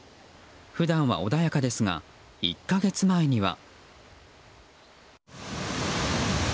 普段は穏やかですが１か月前には。